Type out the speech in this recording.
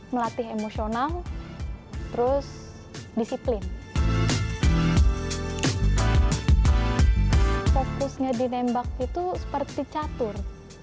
melatih emosional terus disiplin fokusnya di nembak itu seperti catur